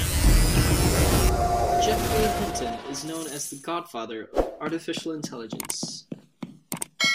Geoffrey Hinton is known as the godfather of artificial intelligence.